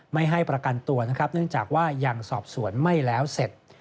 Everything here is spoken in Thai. ไม่ให้ประกันตัวนะครับเนื่องจากว่ายังสอบสวนไม่แล้วเสร็จ